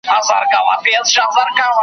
په لار کي به دي پلونه د رقیب خامخا نه وي .